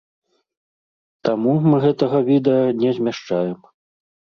Таму мы гэтага відэа не змяшчаем.